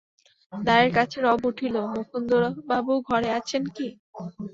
দ্বারের কাছে রব উঠিল, মুকুন্দবাবু ঘরে আছেন কি?